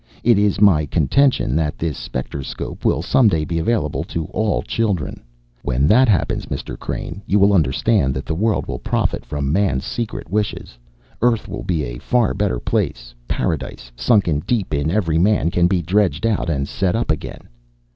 It is my contention that this specterscope will some day be available to all children. "When that happens, Mr. Crane, you will understand that the world will profit from man's secret wishes. Earth will be a far better place. Paradise, sunken deep in every man, can be dredged out and set up again."